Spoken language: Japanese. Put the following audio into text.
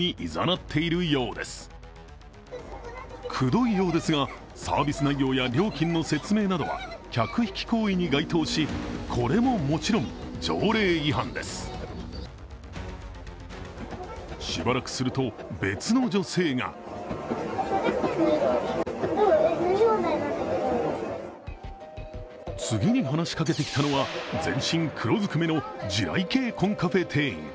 くどいようですが、サービス内容や料金の説明などは客引き行為に該当し、これももちろん条例違反です。しばらくすると別の女性が次に話しかけてきたのは、全身黒ずくめの地雷系コンカフェ店員。